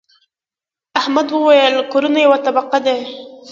احمد وويل: کورونه یوه طبقه دي.